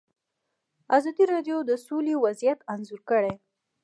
ازادي راډیو د سوله وضعیت انځور کړی.